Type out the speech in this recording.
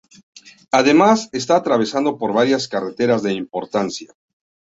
Además, está atravesado por varias carreteras de importancia.